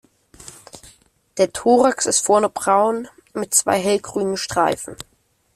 Der Thorax ist vorne braun mit zwei hellgrünen Streifen.